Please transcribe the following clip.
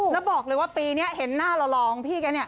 แล้วบอกเลยว่าปีนี้เห็นหน้าหล่องพี่แกเนี่ย